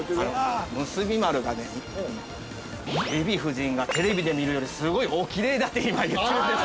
◆むすび丸がね、デヴィ夫人がテレビで見るよりすごいおきれいだって、今、言っているんです。